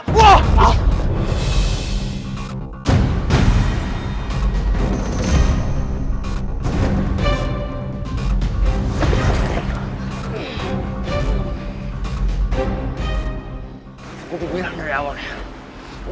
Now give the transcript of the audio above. gue udah bilang dari awalnya